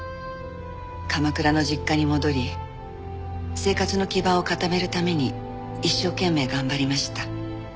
鎌倉の実家に戻り生活の基盤を固めるために一生懸命頑張りました。